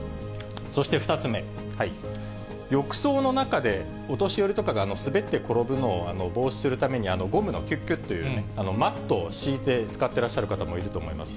そして２つ目、浴槽の中で、お年寄りとかが滑って転ぶのを防止するために、ゴムのきゅっきゅっというマットを敷いてつかってらっしゃる方もいると思います。